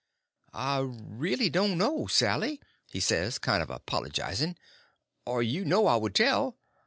"I reely don't know, Sally," he says, kind of apologizing, "or you know I would tell.